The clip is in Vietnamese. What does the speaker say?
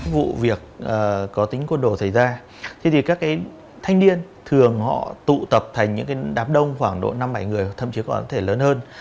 vụ việc có tính quân đội xảy ra thì các thanh niên thường họ tụ tập thành những đám đông khoảng độ năm bảy người thậm chí còn có thể lớn hơn